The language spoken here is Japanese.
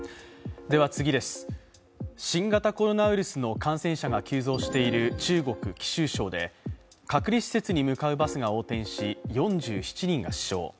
新型コロナウイルスの感染者が急増している中国・貴州省で隔離施設に向かうバスが横転し、４７人が死傷。